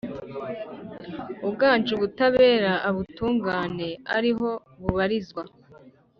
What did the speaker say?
uganje ubutabera, ubutungane ariho bubarizwa,